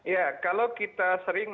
ya kalau kita sering